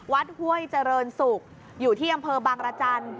ห้วยเจริญศุกร์อยู่ที่อำเภอบางรจันทร์